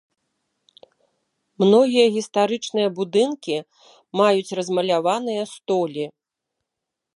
Многія гістарычныя будынкі маюць размаляваныя столі.